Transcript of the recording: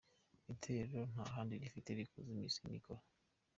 Itorero nta handi rifite rikura amikoro”.